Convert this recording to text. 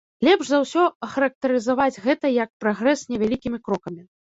Лепш за ўсё ахарактарызаваць гэта як прагрэс невялікімі крокамі.